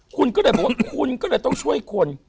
คุณก็เลยบอกว่าคุณก็เลยต้องช่วยคน